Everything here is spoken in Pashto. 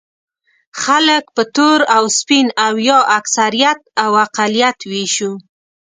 خلک په تور او سپین او یا اکثریت او اقلیت وېشو.